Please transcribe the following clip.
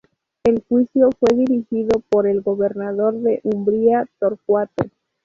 El juicio fue dirigido por el gobernador de Umbría, Torcuato.